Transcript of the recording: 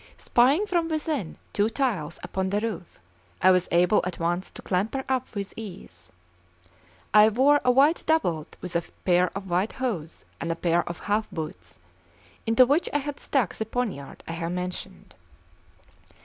Spying from within two tiles upon the roof, I was able at once to clamber up with ease. I wore a white doublet with a pair of white hose and a pair of half boots, into which I had stuck the poniard I have mentioned.